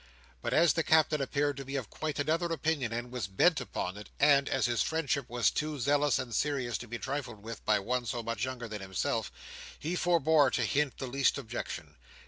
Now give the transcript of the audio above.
But as the Captain appeared to be of quite another opinion, and was bent upon it, and as his friendship was too zealous and serious to be trifled with by one so much younger than himself, he forbore to hint the least objection.